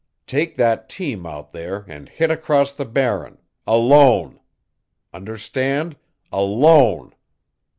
Take that team out there and hit across the Barren ALONE. Understand? ALONE.